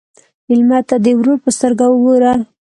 مېلمه ته د ورور په سترګه وګوره.